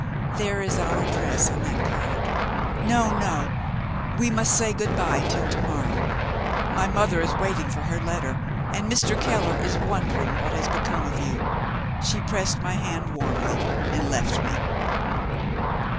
There is our address on that card. No, no, we must say good bye till to morrow. My mother is waiting for her letter; and Mr. Keller is wondering what has become of you." She pressed my hand warmly and left me.